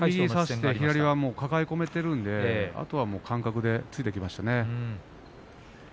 左は抱え込めているのであとは感覚でついていきましたね。